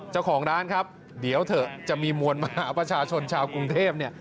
เจ้าของร้านครับเดี๋ยวเถอะจะมีมวลมหาประชาชนชาวกรุงเทพเนี่ย